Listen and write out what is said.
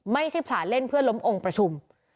ไม่ใช่ผลาเล่นเพื่อล้มองประชุม